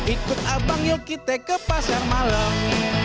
ikut abang nyokite ke pasar malam